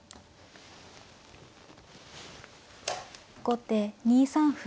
後手２三歩。